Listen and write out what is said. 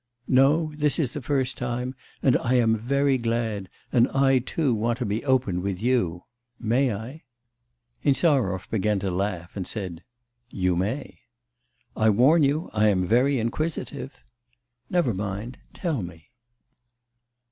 'No, this is the first time, and I am very glad, and I too want to be open with you. May I?' Insarov began to laugh and said: 'You may.' 'I warn you I am very inquisitive.' 'Never mind, tell me.